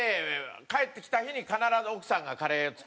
帰ってきた日に必ず奥さんがカレーを作ってくれてて。